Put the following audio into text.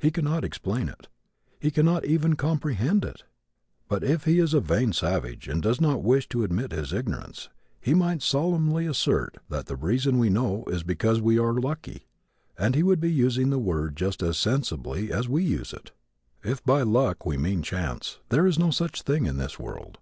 He cannot explain it. He cannot even comprehend it. But if he is a vain savage and does not wish to admit his ignorance he might solemnly assert that the reason we know is because we are lucky; and he would be using the word just as sensibly as we use it! If by luck we mean chance, there is no such thing in this world.